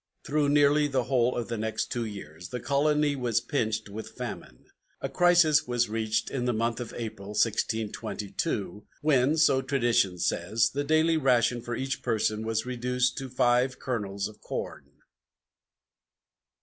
Through nearly the whole of the next two years, the colony was pinched with famine. A crisis was reached in the month of April, 1622, when, so tradition says, the daily ration for each person was reduced to five kernels of corn.